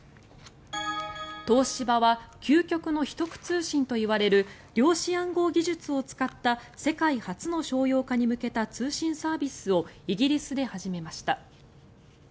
東芝は究極の秘匿通信といわれる量子暗号技術を使った世界初の商用化に向けた通信サービスをイギリスで始めました。